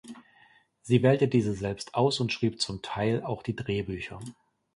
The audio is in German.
Sie wählte diese selbst aus und schrieb zum Teil auch die Drehbücher.